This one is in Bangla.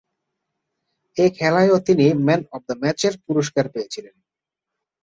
এ খেলায়ও তিনি ম্যান অব দ্য ম্যাচের পুরস্কার পেয়েছিলেন।